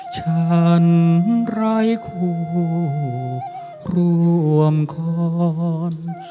ฉันไร้คู่รวมคอน